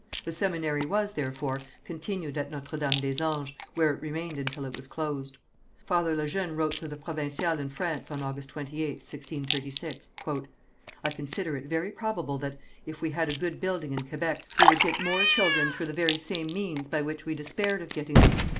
The seminary was, therefore, continued at Notre Dame des Anges, where it remained until it was closed. Father Le Jeune wrote to the Provincial in France on August 28th, 1636: "I consider it very probable that, if we had a good building in Kébec we would get more children through the very same means by which we despaired of getting them.